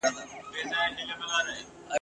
تر قیامته به پر خړو خاورو پلن یو !.